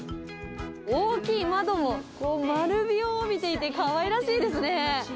大きい窓も丸みを帯びていて、かわいらしいですね。